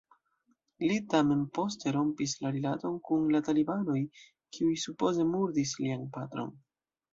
Li tamen poste rompis la rilaton kun la talibanoj, kiuj supoze murdis lian patron.